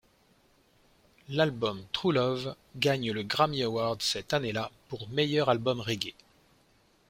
L’album True Love gagne le Grammy Award cette année-là pour meilleur album reggae.